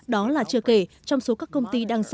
đó là chưa kể trong số các công ty đang sử dụng